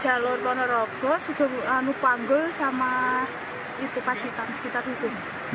jalur ponorogong nupanggul sama pasitan sekitar itu